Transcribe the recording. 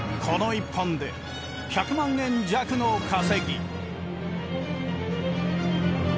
この１本で１００万円弱の稼ぎ。